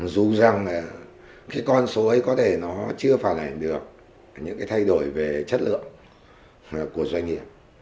dù rằng là cái con số ấy có thể nó chưa phản ảnh được những cái thay đổi về chất lượng của doanh nghiệp